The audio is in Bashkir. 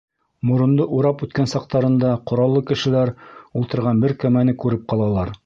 Морондо урап үткән саҡтарында ҡораллы кешеләр ултырған бер кәмәне күреп ҡалалар.